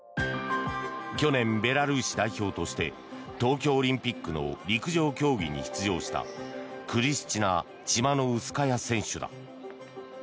去年、ベラルーシ代表として東京オリンピックの陸上競技に出場したクリスチナ・チマノウスカヤ選手だ。